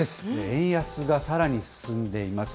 円安がさらに進んでいます。